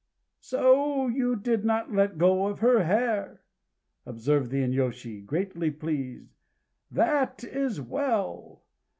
"So you did not let go of her hair!" observed the inyôshi, greatly pleased. "That is well